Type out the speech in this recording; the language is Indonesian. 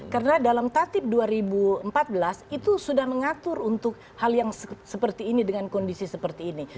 karena dalam tatib dua ribu empat belas itu sudah mengatur untuk hal yang seperti ini dengan kondisi seperti ini